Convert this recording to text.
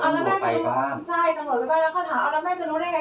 อ๋อจังหวัดไปบ้างใช่จังหวัดไปบ้างแล้วเขาถามเอาแล้วแม่จะรู้ได้ไง